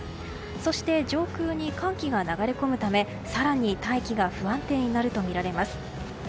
そして、上空に寒気が流れ込むため更に大気が不安定になるとみられます。